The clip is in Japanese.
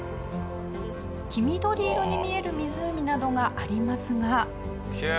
黄緑色に見える湖などがありますが。